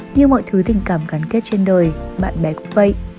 như mọi thứ tình cảm gắn kết trên đời bạn bè cũng vậy